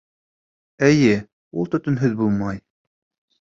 Эйе, ут төтөнһөҙ булмай.